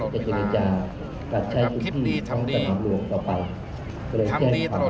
ของประชาตรพระเจียนนะครับต้องติดจุดบาทนะโดยทำให้ง่าย